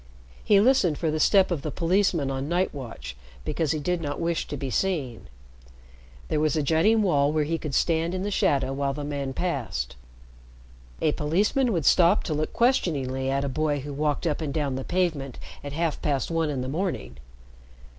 He listened for the step of the policeman on night watch, because he did not wish to be seen. There was a jutting wall where he could stand in the shadow while the man passed. A policeman would stop to look questioningly at a boy who walked up and down the pavement at half past one in the morning.